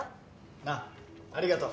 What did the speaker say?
ああありがとう。